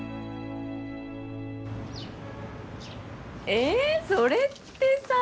えそれってさ。